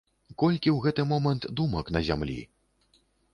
Колькі ў гэты момант думак на зямлі?!